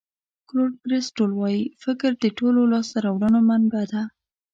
کلوډ بریسټول وایي فکر د ټولو لاسته راوړنو منبع ده.